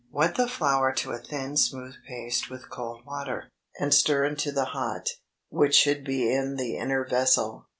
Wet the flour to a thin smooth paste with cold water, and stir into the hot, which should be in the inner vessel.